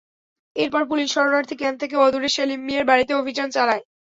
এরপর পুলিশ শরণার্থী ক্যাম্প থেকে অদূরে সেলিম মিয়ার বাড়িতে অভিযান চালায়।